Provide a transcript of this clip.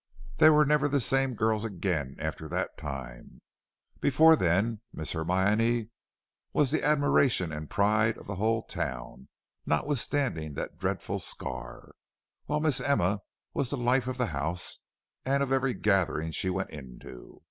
"They were never the same girls again after that time. Before then Miss Hermione was the admiration and pride of the whole town, notwithstanding that dreadful scar, while Miss Emma was the life of the house and of every gathering she went into.